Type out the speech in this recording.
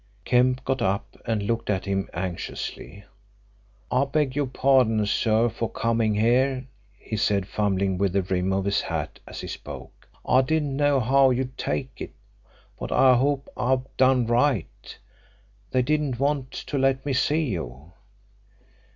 Kemp got up and looked at him anxiously. "I beg your pardon, sir, for coming here," he said, fumbling with the rim of his hat as he spoke. "I didn't know how you'd take it, but I hope I've done right. They didn't want to let me see you."